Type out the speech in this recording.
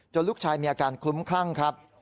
ลูกชายมีอาการคลุ้มคลั่งครับ